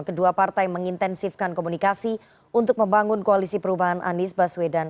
kedua partai mengintensifkan komunikasi untuk membangun koalisi perubahan anies baswedan